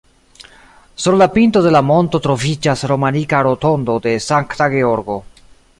Sur la pinto de la monto troviĝas romanika rotondo de Sankta Georgo.